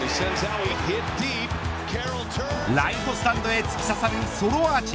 ライトスタンドへ突き刺さるソロアーチ。